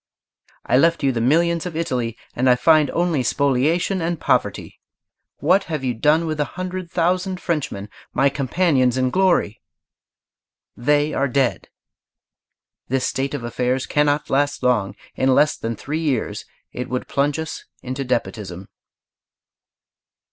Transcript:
I left you the millions of Italy, and I find only spoliation and poverty. What have you done with the hundred thousand Frenchmen, my companions in glory? They are dead!... This state of affairs cannot last long; in less than three years it would plunge us into despotism.